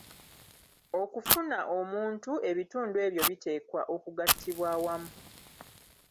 Okufuna omuntu ebitundu ebyo biteekwa okugattibwa awamu.